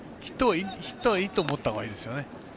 ヒットはいいと思ったほうがいいですよね。